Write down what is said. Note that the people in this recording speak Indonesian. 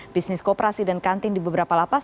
bisnis kooperasi dan kantin di beberapa lapas